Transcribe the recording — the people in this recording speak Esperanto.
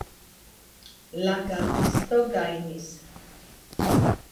La gardisto gajnis.